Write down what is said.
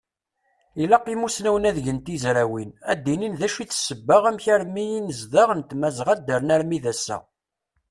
Ilaq imusnawen ad gen tizrawin, ad anin d acu i d ssebba amek armi inezdaɣ n Tmazɣa ddren armi d assa!